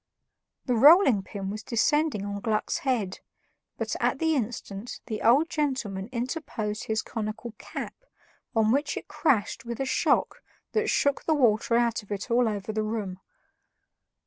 The rolling pin was descending on Gluck's head, but, at the instant, the old gentleman interposed his conical cap, on which it crashed with a shock that shook the water out of it all over the room.